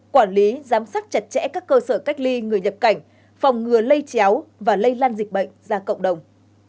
quản lý giám sát chặt chẽ các cơ sở cách ly người nhập cảnh phòng ngừa lây chéo và lây lan dịch bệnh ra cộng đồng